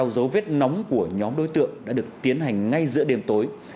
hướng điều tra truy theo dấu vết nóng của nhóm đối tượng đã được tiến hành ngay giữa đêm tối